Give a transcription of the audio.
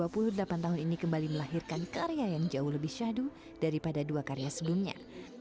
berapa tahun ini kembali melahirkan karya yang jauh lebih syadu daripada dua karya sebelumnya